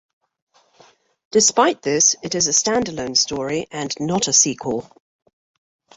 Despite this, it is a standalone story and not a sequel.